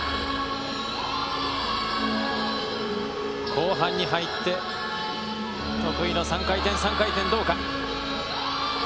後半に入って得意の３回転３回転どうか？